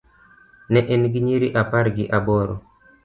Ne en gi nyiriri apar gi aboro.